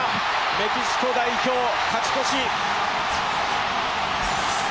メキシコ代表、勝ち越し。